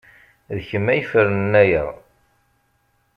D kemm ay ifernen aya.